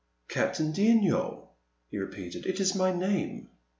*' "Captain d'Yniol,*' he repeated; "it is my name.